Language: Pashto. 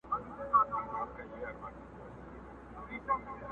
خو درد هيڅکله بشپړ نه ختمېږي